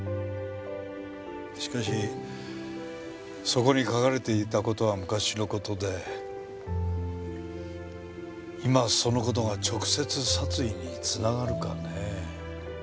しかしそこに書かれていた事は昔の事で今その事が直接殺意に繋がるかねえ。